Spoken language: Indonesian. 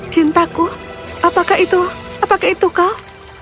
cintaku apakah itu apakah itu kau